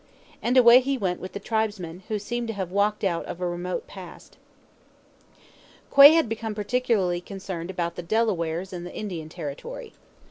And away he went with the tribesmen, who seemed to have walked out of a remote past. Quay had become particularly concerned about the Delawares in the Indian Territory.